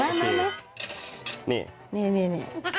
นี่เนี้ย